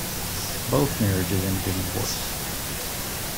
Both marriages ended in divorce.